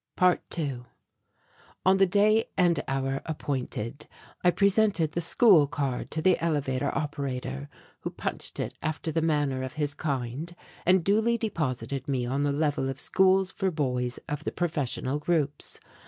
~2~ On the day and hour appointed I presented the school card to the elevator operator, who punched it after the manner of his kind, and duly deposited me on the level of schools for boys of the professional groups.